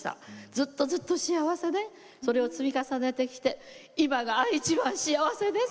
ずっとずっと幸せでそれを積み重ねてきて今がいちばん幸せです。